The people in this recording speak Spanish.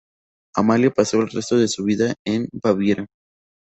Amalia pasó el resto de su vida en Baviera.